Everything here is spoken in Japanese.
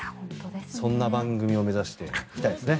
そんな番組を目指していきたいですね。